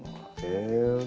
へえ。